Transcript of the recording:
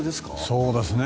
そうですね。